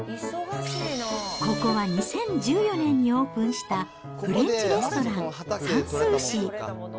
ここは２０１４年にオープンしたフレンチレストラン、サンスーシィ。